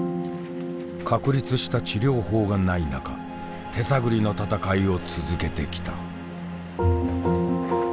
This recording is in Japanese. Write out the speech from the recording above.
確立した治療法がない中手探りの闘いを続けてきた。